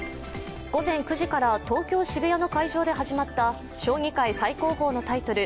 午前９時から東京・渋谷の会場で始まった将棋界最高峰のタイトル